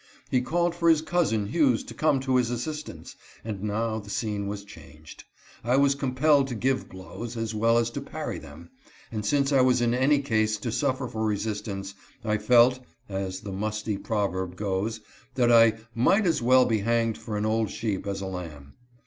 He called for his cousin Hughes to come to his assistance, and now the scene was changed. I was compelled to give blows, as well as to parry them, and since I was in any case to suffer for resistance, I felt (as the musty proverb goes) that I " might as well be hanged for an old sheep as a lamb."